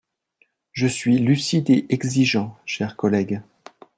Je suis lucide et exigeant, chers collègues.